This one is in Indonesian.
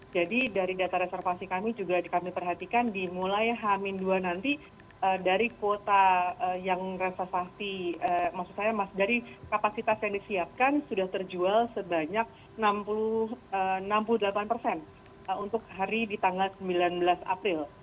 jadi dari data reservasi kami juga kami perhatikan dimulai h dua nanti dari kuota yang reservasi maksud saya dari kapasitas yang disiapkan sudah terjual sebanyak enam puluh delapan persen untuk hari di tanggal sembilan belas april